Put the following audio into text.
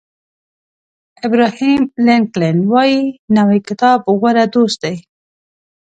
ابراهیم لینکلن وایي نوی کتاب غوره دوست دی.